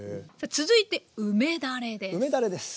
続いて梅だれです。